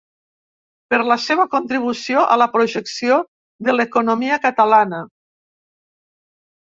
Per la seva contribució a la projecció de l’economia catalana.